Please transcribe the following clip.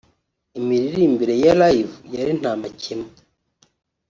Imiririmbire ya Live yari nta makemwa